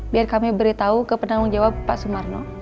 biar kami beritahu ke penanggung jawab pak sumarno